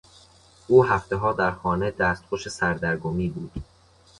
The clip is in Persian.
او هفتهها در خانه دستخوش سردرگمی بود.